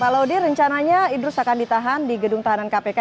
pak laudy rencananya idrus akan ditahan di gedung tahanan kpk